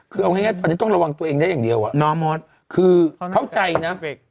คือเอาให้ง่ายตอนนี้ต้องระวังตัวเองได้อย่างเดียวคือเข้าใจนะ